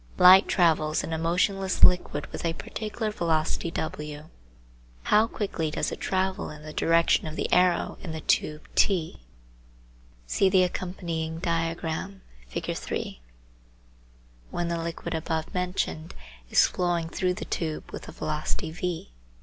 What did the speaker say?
Light travels in a motionless liquid with a particular velocity w. How quickly does it travel in the direction of the arrow in the tube T (see the accompanying diagram, Fig. 3) when the liquid above mentioned is flowing through the tube with a velocity v